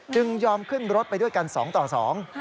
ยอมขึ้นรถไปด้วยกันสองต่อสอง